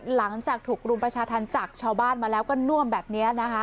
หลังจากถูกรุมประชาธรรมจากเฉาก็น่วมแบบนี้นะคะ